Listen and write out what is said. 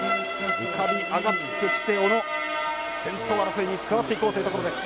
浮かび上がってきて小野先頭争いに加わっていこうというところです。